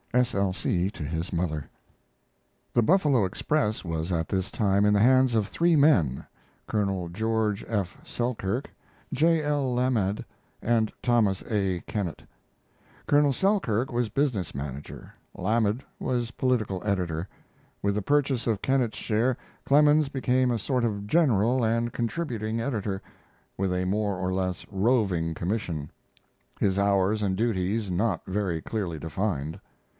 S. L. C. to his mother.] The Buffalo Express was at this time in the hands of three men Col. George F. Selkirk, J. L. Lamed, and Thomas A. Kennett. Colonel Selkirk was business manager, Lamed was political editor. With the purchase of Kennett's share Clemens became a sort of general and contributing editor, with a more or less "roving commission" his hours and duties not very clearly defined.